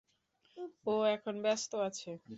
ও এখন ব্যস্ত আছে।